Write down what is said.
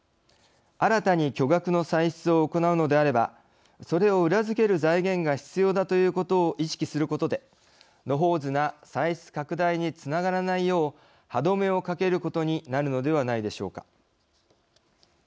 新たに巨額の歳出を行うのであればそれを裏付ける財源が必要だということを意識することでのほうずな歳出拡大につながらないよう歯止めをかけることになるのではないでしょうか。